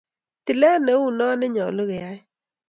Tilet ne ui no ne nyalu keyai